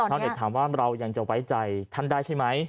ถ้าเจ้าเน็ตถามว่าเรายังจะไว้ใจท่านได้ใช่ไหม